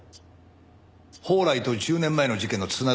宝来と１０年前の事件の繋がりは？